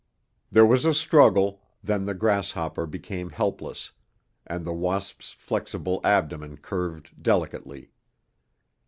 There was a struggle, then the grasshopper became helpless, and the wasp's flexible abdomen curved delicately.